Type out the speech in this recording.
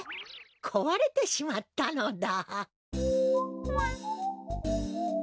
こわれてしまったのだ。